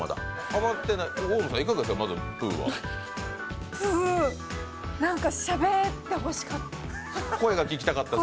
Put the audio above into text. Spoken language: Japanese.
プー、なんかしゃべってほしかった。